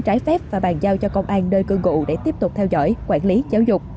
trái phép và bàn giao cho công an nơi cư ngụ để tiếp tục theo dõi quản lý giáo dục